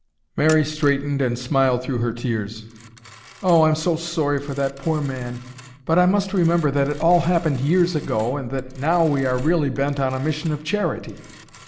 Mary straightened and smiled through her tears. "Oh, I'm so sorry for that poor man, but I must remember that it all happened years ago and that now we are really bent on a mission of charity."